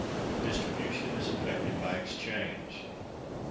Of Distribution, As Affected By Exchange.